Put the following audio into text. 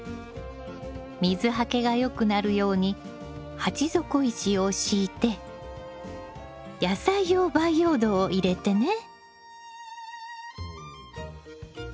水はけがよくなるように鉢底石を敷いて野菜用培養土を入れてね。